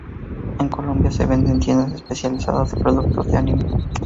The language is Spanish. En Colombia, se vende en tiendas especializadas en productos de anime.